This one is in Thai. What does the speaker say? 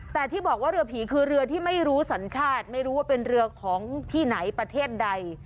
แต่ที่บอกว่าเรือผีคือเรือที่ไม่รู้สัญชาติไม่รู้ว่าเป็นเรือของที่ไหนประเทศใด